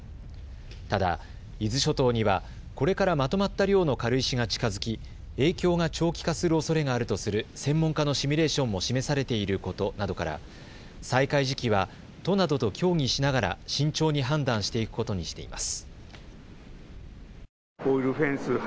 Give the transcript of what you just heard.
ただ、伊豆諸島には、これからまとまった量の軽石が近づき、影響が長期化するおそれがあるとする専門家のシミュレーションも示されていることなどから再開時期は都などと協議しながら慎重に判断していくことにしています。